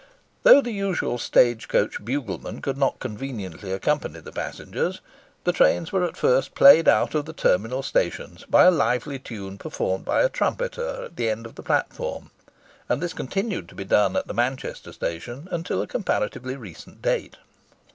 Though the usual stage coach bugleman could not conveniently accompany the passengers, the trains were at first played out of the terminal stations by a lively tune performed by a trumpeter at the end of the platform; and this continued to be done at the Manchester Station until a comparatively recent date.